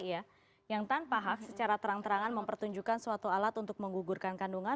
yang tanpa hak secara terang terangan mempertunjukkan suatu alat untuk menggugurkan kandungan